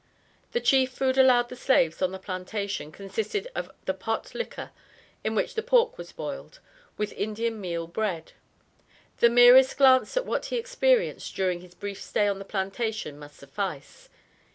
The chief food allowed the slaves on the plantation consisted of the pot liquor in which the pork was boiled, with Indian meal bread. The merest glance at what he experienced during his brief stay on the plantation must suffice.